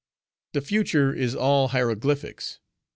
The future is all hieroglyphics.